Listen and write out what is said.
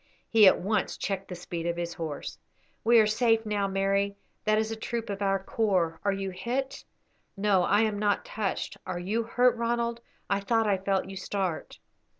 He at once checked the speed of his horse. "We are safe now, Mary; that is a troop of our corps. Are you hit?" "No, I am not touched. Are you hurt, Ronald? I thought I felt you start."